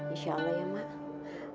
insya allah ya mak